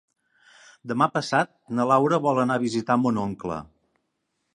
Demà passat na Laura vol anar a visitar mon oncle.